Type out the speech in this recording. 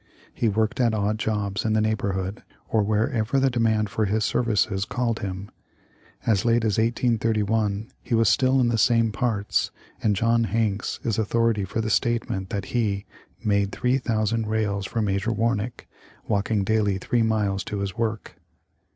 He worked at odd jobs in the neighbor hood, or wherever the demand for his services called him. As late as 1831 he was still in the same parts, and John Hanks is authority for the statement that he " made three thousand rails for Major Warnick " walking daily three miles to his work.